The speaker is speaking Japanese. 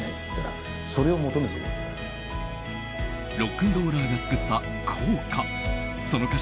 ロックンローラーが作った校歌。